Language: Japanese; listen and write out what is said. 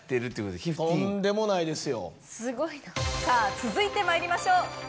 さぁ続いてまいりましょう。